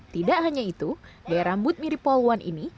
tidak hanya itu daya rambut mirip poluan ini